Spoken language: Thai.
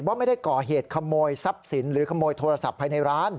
ว่าไม่ได้ก่อเหตุขโมยทรัพย์สินหรือขโมยโทรศัพท์ภายในร้าน